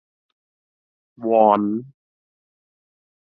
วอน